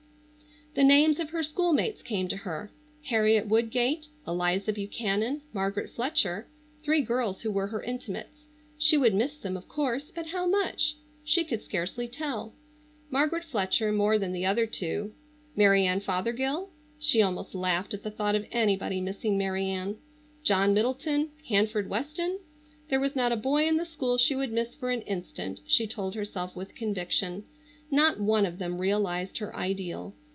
The names of her schoolmates came to her. Harriet Woodgate, Eliza Buchanan, Margaret Fletcher, three girls who were her intimates. She would miss them, of course, but how much? She could scarcely tell. Margaret Fletcher more than the other two. Mary Ann Fothergill? She almost laughed at the thought of anybody missing Mary Ann. John Middleton? Hanford Weston? There was not a boy in the school she would miss for an instant, she told herself with conviction. Not one of them realized her ideal.